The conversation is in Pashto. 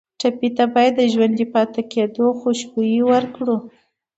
ټپي ته باید د ژوندي پاتې کېدو خوشبويي ورکړو.